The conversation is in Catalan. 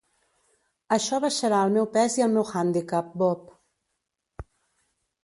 Això baixarà el meu pes i el meu handicap, Bob.